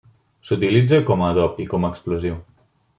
S'utilitza com a adob i com a explosiu.